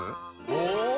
お！